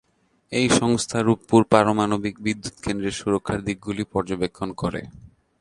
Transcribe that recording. এই সংস্থা রূপপুর পারমাণবিক বিদ্যুৎ কেন্দ্রের সুরক্ষার দিকগুলি পর্যবেক্ষণ করে।